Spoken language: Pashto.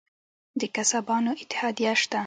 د قصابانو اتحادیه شته؟